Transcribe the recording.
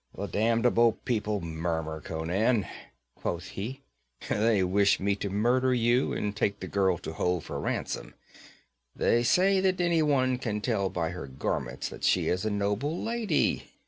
'The damnable people murmur, Conan,' quoth he. 'They wish me to murder you and take the girl to hold for ransom. They say that anyone can tell by her garments that she is a noble lady.